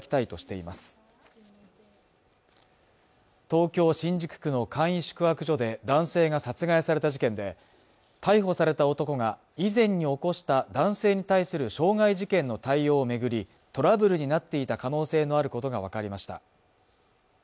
東京新宿区の簡易宿泊所で男性が殺害された事件で逮捕された男が以前に起こした男性に対する傷害事件の対応を巡りトラブルになっていた可能性のあることが分かりました